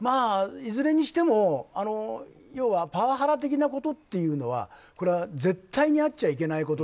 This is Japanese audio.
いずれにしても、要はパワハラ的なことというのは絶対にあっちゃいけない